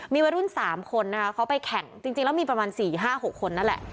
มีวัยรุ่นสามคนเขาไปแข่งจริงแล้วมีประมาณสี่ห้าหกคนนั่นแหละ